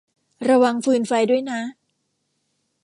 ระวังฟืนไฟด้วยนะ